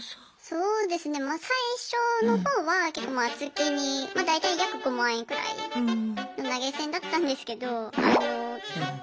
そうですねまあ最初の方はまあ月に大体約５万円くらいの投げ銭だったんですけど。